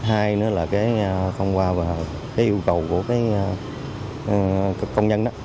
hai nữa là cái thông qua và cái yêu cầu của cái công nhân đó